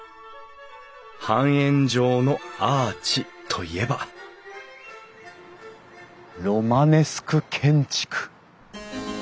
半円状のアーチといえばロマネスク建築。